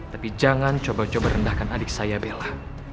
tapi jangan coba coba rendahkan adik saya bella